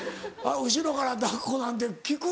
後ろから抱っこなんて効く？